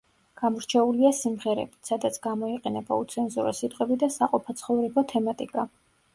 გამორჩეულია სიმღერებით, სადაც გამოიყენება უცენზურო სიტყვები და საყოფაცხოვრებო თემატიკა.